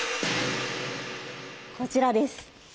こちらです。